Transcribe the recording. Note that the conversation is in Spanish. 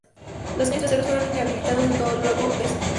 Los cañones traseros fueron inhabilitados del todo luego de esto.